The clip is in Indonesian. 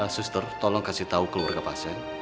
suster tolong kasih tahu keluarga pasien